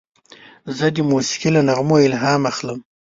زه د موسیقۍ له نغمو الهام اخلم.